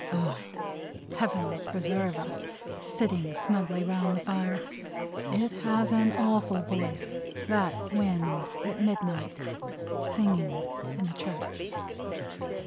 Ugh! Heaven preserve us, sitting snugly round the fire! It has an awful voice, that wind at midnight, singing in a church!